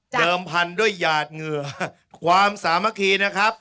พันธุ์ด้วยหยาดเหงื่อความสามัคคีนะครับ